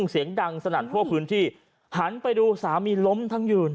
เสียงดังสนั่นทั่วพื้นที่หันไปดูสามีล้มทั้งยืน